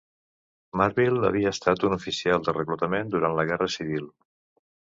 Marvil havia estat un oficial de reclutament durant la Guerra Civil.